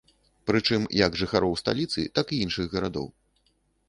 Прычым як жыхароў сталіцы, так і іншых гарадоў.